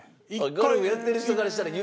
ゴルフやってる人からしたら夢？